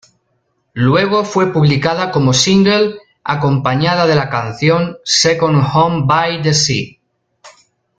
Luego fue publicada como single, acompañada de la canción "Second Home by the Sea".